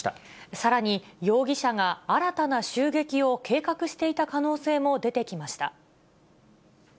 さらに、容疑者が新たな襲撃を計画していた可能性も出てきました。